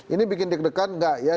ini bikin deg degan nggak ya